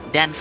dan ke rumah